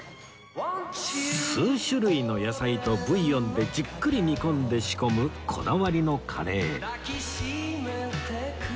数種類の野菜とブイヨンでじっくり煮込んで仕込むこだわりのカレー